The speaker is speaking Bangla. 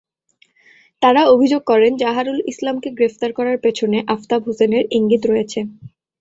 তাঁরা অভিযোগ করেন, জাহারুল ইসলামকে গ্রেপ্তার করার পেছনে আফতাব হোসেনের ইঙ্গিত রয়েছে।